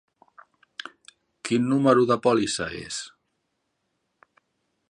Quin número de pòlissa és?